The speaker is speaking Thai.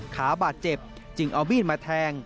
ขาบาดเจ็บจึงเอามีดมาแทง